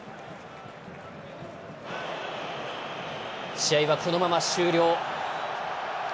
試合はこのまま終了。